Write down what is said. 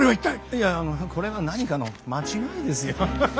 いやこれは何かの間違いですよ。